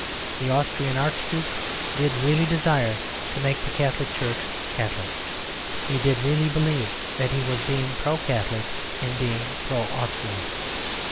The Austrian Archduke did really desire to make the Catholic Church catholic. He did really believe that he was being Pro Catholic in being Pro Austrian.